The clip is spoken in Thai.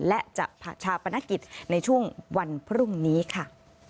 และจะผ่าชาปนกิจในช่วงวันพรุ่งนี้ค่ะ